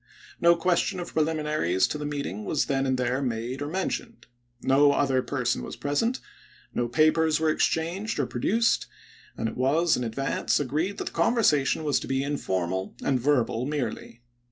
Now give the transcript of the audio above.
No ques tion of preliminaries to the meeting was then and there made or mentioned. No other person was present; no papers were exchanged or produced; and it was, in ad vance, agreed that the conversation was to be informal and verbal merely.